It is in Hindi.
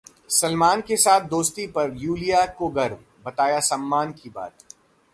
सलमान के साथ दोस्ती पर यूलिया को गर्व, बताया सम्मान की बात